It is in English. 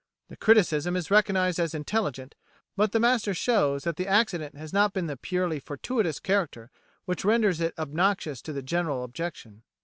The criticism is recognised as intelligent, but the master shows that the accident has not the purely fortuitous character which renders it obnoxious to the general objection.